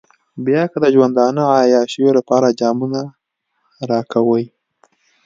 بيا که د ژوندانه عياشيو لپاره جامونه راکوئ.